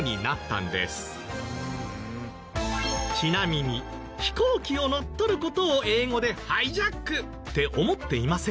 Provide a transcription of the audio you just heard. ちなみに飛行機を乗っ取る事を英語で「ハイジャック」って思っていませんか？